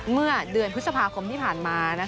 เมื่อเดือนพฤษภาคมที่ผ่านมา